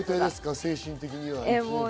精神的に。